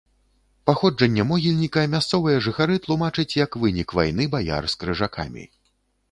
Паходжанне могільніка мясцовыя жыхары тлумачаць як вынік вайны баяр з крыжакамі.